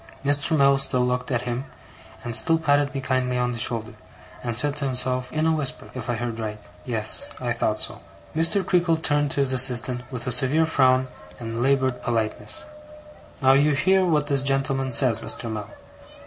Mr. Mell still looked at him, and still patted me kindly on the shoulder, and said to himself, in a whisper, if I heard right: 'Yes, I thought so.' Mr. Creakle turned to his assistant, with a severe frown and laboured politeness: 'Now, you hear what this gentleman says, Mr. Mell.